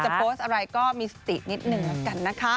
โพสต์อะไรก็มีสตินิดหนึ่งแล้วกันนะคะ